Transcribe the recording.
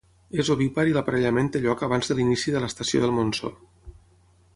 És ovípar i l'aparellament té lloc abans de l'inici de l'estació del monsó.